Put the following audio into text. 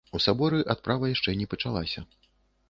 У саборы адправа яшчэ не пачалася.